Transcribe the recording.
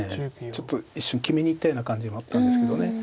ちょっと一瞬決めにいったような感じもあったんですけど。